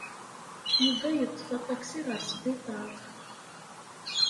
Yuba yeṭṭef aṭaksi ɣer sbiṭar.